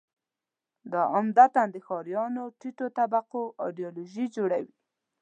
دا عمدتاً د ښاریانو ټیټو طبقو ایدیالوژي جوړوي.